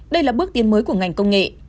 đây là bước tiến mới của ngành công nghệ